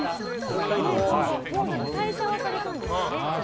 だって退社はされたんですよね？